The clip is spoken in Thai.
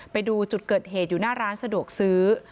ไปดูจุดเกิดเหตุอยู่หน้าร้านสะดวกซื้อ